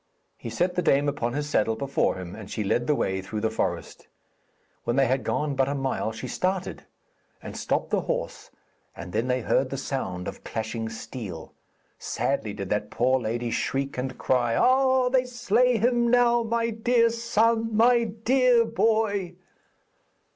He set the dame upon his saddle before him, and she led the way through the forest. When they had gone but a mile she started, and stopped the horse, and then they heard the sound of clashing steel. Sadly did that poor lady shriek and cry: 'Ah! they slay him now! My dear son! My dear boy!'